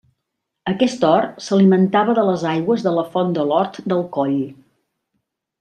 Aquest hort s'alimentava de les aigües de la Font de l'Hort del Coll.